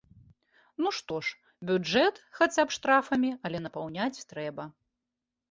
Ну што ж, бюджэт, хаця б штрафамі, але напаўняць трэба.